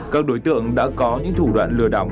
các đối tượng đã có những thủ đoạn lừa đảo